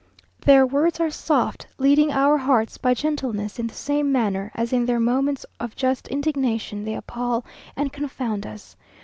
Their words are soft, leading our hearts by gentleness, in the same manner as in their moments of just indignation they appal and confound us.